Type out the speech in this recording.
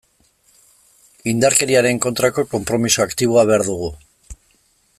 Indarkeriaren kontrako konpromiso aktiboa behar dugu.